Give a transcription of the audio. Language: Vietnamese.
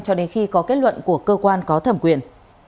cho đến khi có kết luận của cơ quan có thẩm quyền